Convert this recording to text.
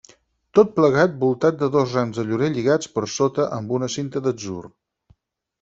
Tot plegat voltat de dos rams de llorer lligats per sota amb una cinta d'atzur.